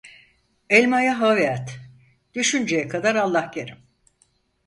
Elmayı havaya at, düşünceye kadar Allah kerim.